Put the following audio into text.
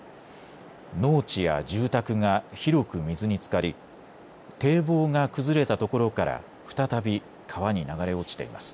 農地や住宅が広く水につかり堤防が崩れたところから再び川に流れ落ちています。